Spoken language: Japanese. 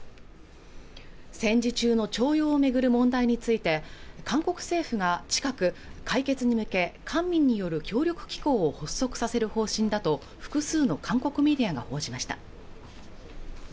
戦時中の徴用を巡る問題について韓国政府が近く解決に向け官民による協力機構を発足させる方針だと複数の韓国メディアが報じました